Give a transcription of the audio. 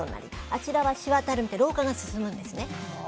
あちらはしわ、たるみで老化が進むんですね。